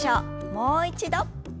もう一度。